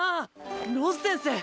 ロス先生！？